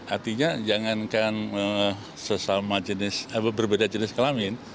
artinya jangankan sesama jenis apa berbeda jenis kelamin